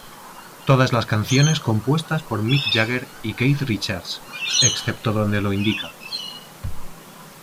Todas las canciones compuestas por Mick Jagger y Keith Richards, excepto donde lo indica